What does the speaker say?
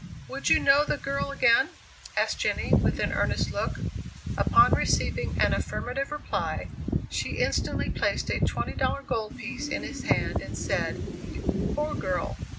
"Would you know the girl again?" asked Jenny, with an earnest look. Upon receiving an affirmative reply, she instantly placed a $20 gold piece in his hand, and said, "Poor girl!